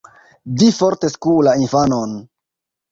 Vi forte skuu la infanon